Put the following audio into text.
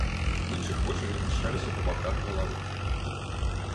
У іншых вочы размяшчаліся па баках галавы.